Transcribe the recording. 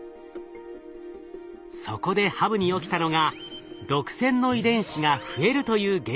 そこでハブに起きたのが毒腺の遺伝子が増えるという現象。